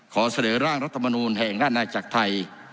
ขอเสนอร่างรัฐมนูลแห่งราชนาจักรไทย